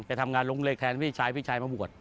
ไปทำงานโรงเรียนแทนพี่ชายพี่ชายมาบวช